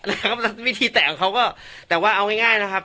นะครับวิธีแตะของเขาก็แต่ว่าเอาง่ายง่ายนะครับ